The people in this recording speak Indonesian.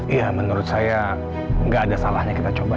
iya menurut saya nggak ada salahnya kita coba